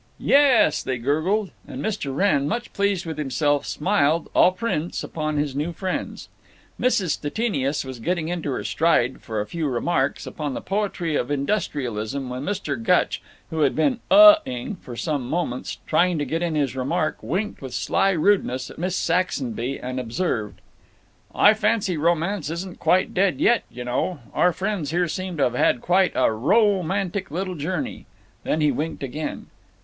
"Yes," they gurgled; and Mr. Wrenn, much pleased with himself, smiled au prince upon his new friends. Mrs. Stettinius was getting into her stride for a few remarks upon the poetry of industrialism when Mr. Gutch, who had been "Uh—"ing for some moments, trying to get in his remark, winked with sly rudeness at Miss Saxonby and observed: "I fancy romance isn't quite dead yet, y' know. Our friends here seem to have had quite a ro mantic little journey." Then he winked again.